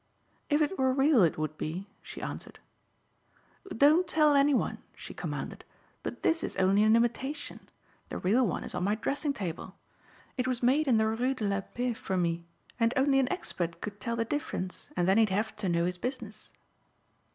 "If it were real it would be," she answered. "Don't tell any one," she commanded, "but this is only an imitation. The real one is on my dressing table. This was made in the Rue de la Paix for me and only an expert could tell the difference and then he'd have to know his business."